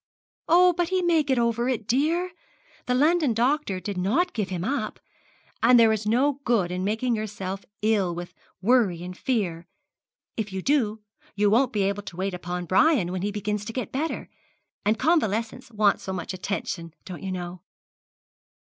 'Oh, but he may get over it dear! The London doctor did not give him up; and there is no good in your making yourself ill with worry and fear. If you do, you won't be able to wait upon Brian when he begins to get better; and convalescents want so much attention, don't you know.'